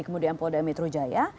kemudian polda metro jaya